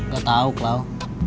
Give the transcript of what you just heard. gak tau klau